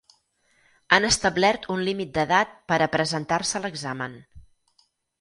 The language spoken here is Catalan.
Han establert un límit d'edat per a presentar-se a l'examen.